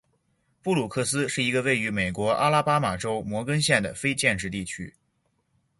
布鲁克斯维尔是一个位于美国阿拉巴马州摩根县的非建制地区。